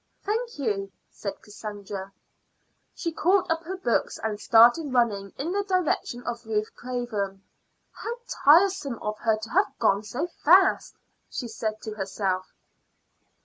"Thank you," said Cassandra. She caught up her books and started running in the direction of Ruth Craven. "How tiresome of her to have gone so fast!" she said to herself?